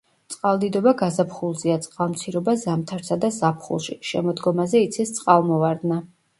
წყალდიდობა გაზაფხულზეა, წყალმცირობა ზამთარსა და ზაფხულში, შემოდგომაზე იცის წყალმოვარდნა.